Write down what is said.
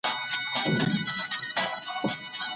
واكمن باید بې پروا پاته نسي.